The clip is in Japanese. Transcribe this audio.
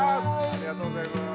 ありがとうございます。